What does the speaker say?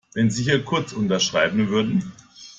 Wenn Sie hier kurz unterschreiben würden.